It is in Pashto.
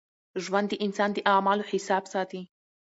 ژوند د انسان د اعمالو حساب ساتي.